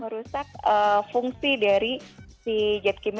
merusak fungsi dari si jet kimia